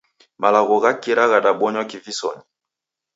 Malagho gha kira ghadabonywa kivisonyi.